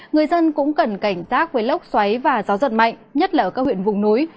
người dân cũng cần cảnh giác với lốc xoáy và gió giật mạnh nhất là ở các huyện vùng núi